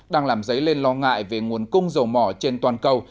đang làm dấy lên lo ngại về nguồn cung dầu mỏ trên toàn cầu